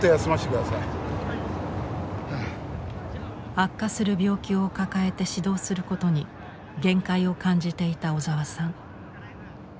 悪化する病気を抱えて指導することに限界を感じていた小沢さん。